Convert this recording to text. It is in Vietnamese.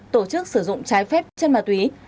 tổ chức sử dụng trái phép chân ma túy